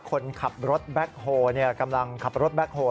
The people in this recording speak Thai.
คนขับรถแบ็คโฮกำลังขับรถแบ็คโฮล